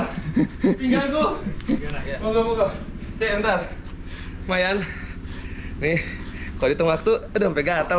tapi anak anda yang bebas bisa di tears zona cock manyan dan humari kepala rumah tanian